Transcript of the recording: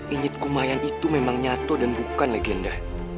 inekumayang itu memang nyata dan bukan legenda